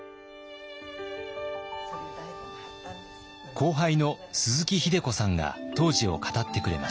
後輩の鈴木秀子さんが当時を語ってくれました。